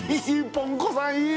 ぽんこさんいい！